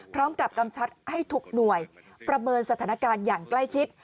กำชับให้ทุกหน่วยประเมินสถานการณ์อย่างใกล้ชิด